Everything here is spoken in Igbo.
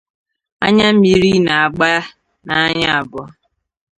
Anyammiri na-agba n'anya abụọ